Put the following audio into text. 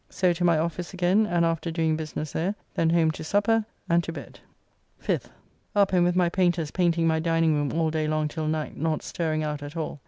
So to my office again, and after doing business there, then home to supper and to bed. 5th. Up and with my painters painting my dining room all day long till night, not stirring out at all.